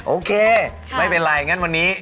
โอเคไม่เป็นไรงั้นวันนี้